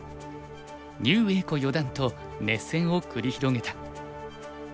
牛栄子四段と熱戦を繰り広げた。